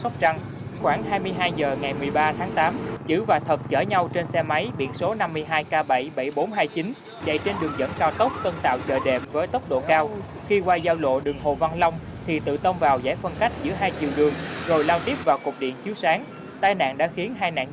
các bạn hãy đăng ký kênh để ủng hộ kênh của chúng mình nhé